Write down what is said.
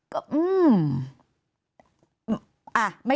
ก็อื้มมม